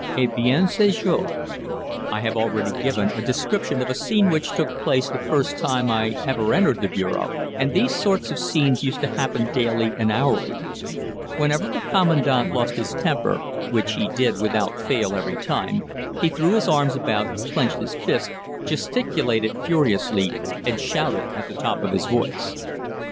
"Eh bien je sors." I have already given a description of a scene which took place the first time I ever entered the bureau and these sort of scenes used to happen daily and hourly. Whenever the Commandant lost his temper, which he did without fail every time, he threw his arms about, clenched his fists, gesticulated furiously, and shouted at the top of his voice.